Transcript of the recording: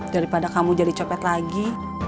daripada kamu jadi copet lagi